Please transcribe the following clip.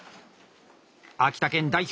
秋田県代表